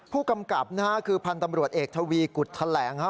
ผู้กำกับนะฮะคือพันธ์ตำรวจเอกทวีกุฎแถลง